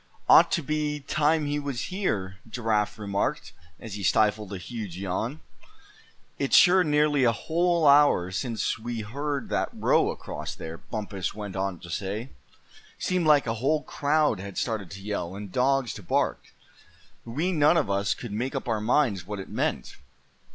"Ought to be time he was here," Giraffe remarked, as he stifled a huge yawn. "It's sure nearly a whole hour since we heard that row across there," Bumpus went on to say. "Seemed like a whole crowd had started to yell, and dogs to bark. We none of us could make up our minds what it meant.